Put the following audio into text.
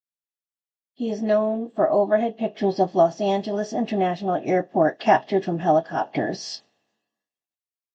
He is known for overhead pictures of Los Angeles International Airport captured from helicopters.